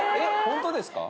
ホントですか？